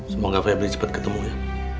semoga febri cepat ketemu ya